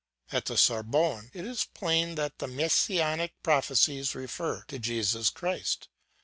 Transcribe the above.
At the Sorbonne it is plain that the Messianic prophecies refer to Jesus Christ.